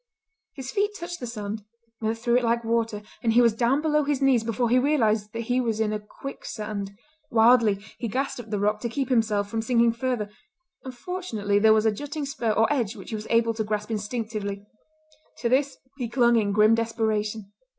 His feet touched the sand—went through it like water—and he was down below his knees before he realised that he was in a quicksand. Wildly he grasped at the rock to keep himself from sinking further, and fortunately there was a jutting spur or edge which he was able to grasp instinctively. To this he clung in grim desperation.